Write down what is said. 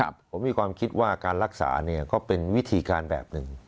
ผมมีความคิดว่าการรักษาเนี่ยก็เป็นวิธีการแบบหนึ่ง